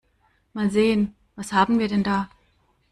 Mal sehen, was haben wir denn da?